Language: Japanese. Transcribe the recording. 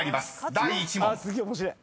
第１問］